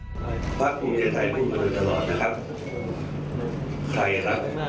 ที่ภักษ์คุณเจนไทยอยู่แล้วนะครับ